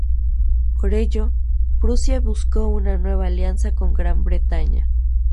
Por ello, Prusia buscó una nueva alianza con Gran Bretaña.